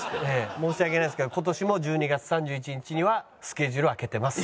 申し訳ないですけど今年も１２月３１日にはスケジュールを空けてます。